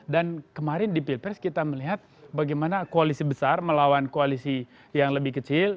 dan kemarin di pilpres kita melihat bagaimana koalisi besar melawan koalisi yang lebih kecil